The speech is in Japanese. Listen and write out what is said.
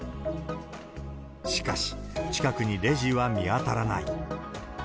しかし、近くにレジは見当たらない。